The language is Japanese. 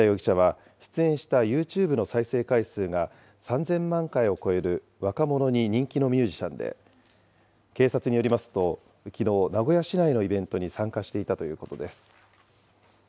米田容疑者は出演したユーチューブの再生回数が３０００万回を超える若者に人気のミュージシャンで、警察によりますときのう、名古屋市内のイベントに参加していたということです。